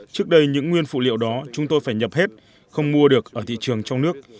trước đây những nguyên phụ liệu đó chúng tôi phải nhập hết không mua được ở thị trường trong nước